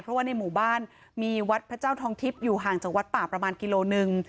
เพราะว่าในหมู่บ้านมีวัดพระเจ้าทองทิพย์อยู่ห่างจากวัดป่าประมาณกิโลหนึ่ง